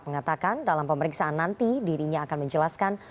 mengatakan dalam pemeriksaan nanti dirinya akan menjelaskan